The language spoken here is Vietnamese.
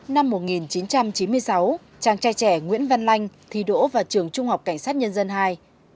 năm một nghìn chín trăm chín mươi sáu chàng trai trẻ nguyễn văn lanh thi đỗ vào trường trung học cảnh sát nhân dân ii